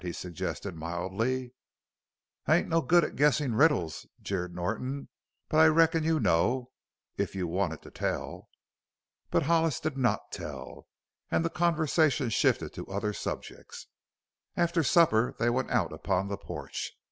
he suggested mildly. "I ain't no good at guessin' riddles," jeered Norton. "But I reckon you know if you wanted to tell." But Hollis did not tell, and the conversation shifted to other subjects. After supper they went out upon the porch.